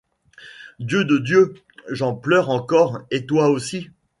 Dieu de Dieu, j’en pleure encore et toi aussi.